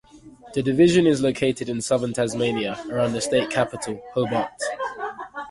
The division is located in southern Tasmania around the state capital, Hobart.